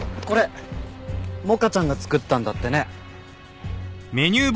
これ百果ちゃんが作ったんだってね。